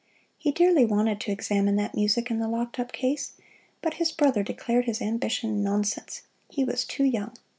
He dearly wanted to examine that music in the locked up case, but his brother declared his ambition nonsense he was too young.